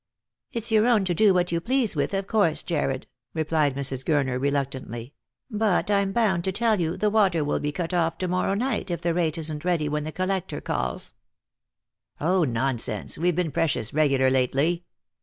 " It's your own to do what you please with, of course, Jarred," replied Mrs. Gurner reluctantly ;" but I'm bound to tell yon the water will be cut off to morrow night if the rate isn't ready when the collector calls." " 0, nonsense ! We've been precious regular lately."